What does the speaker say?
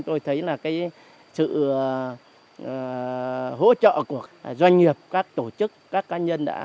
đây là nguồn lực để